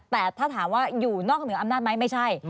แต่ถ้าถามว่าอยู่นอกเหนืออำนาจไหมไม่ใช่